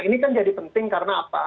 ini kan jadi penting karena apa